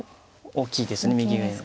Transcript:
大きいです右上。